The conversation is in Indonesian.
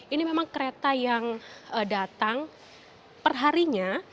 ini memang kereta yang datang perharinya